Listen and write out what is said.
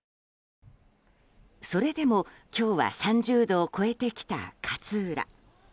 それでも、今日は３０度を超えてきた勝浦。